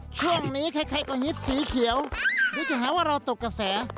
ช่วงนี้ใครลองฮิตสีเขียวไม่แหงว่าเราตกกระแส